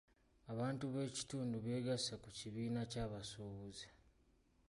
Abantu b'ekitundu beegasse ku kibiina ky'abasuubuzi.